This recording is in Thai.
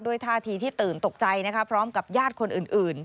ท่าทีที่ตื่นตกใจพร้อมกับญาติคนอื่น